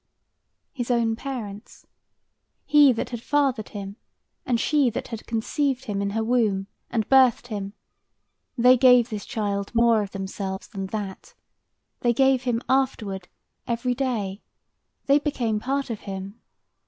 His own parents, He that had father'd him, and she that had conceiv'd him in her womb, and birth'd him, They gave this child more of themselves than that; They gave him afterward every day—they became part of him.